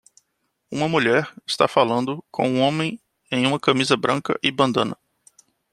Uma mulher está falando com um homem em uma camisa branca e bandana